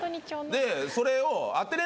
でそれを。